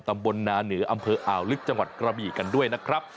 ตำบลนาเหนืออำเภออ่าวลึกจังหวัดกระบี่กันด้วยนะครับ